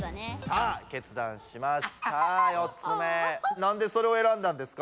何でそれを選んだんですか？